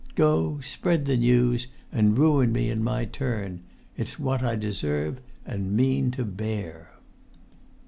Go, spread the news, and ruin me in my turn; it's what I deserve, and mean to bear."